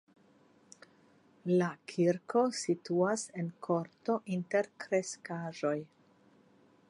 La kirko situas en korto inter kreskaĵoj.